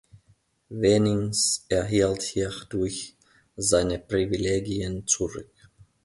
Wenings erhielt hierdurch seine Privilegien zurück.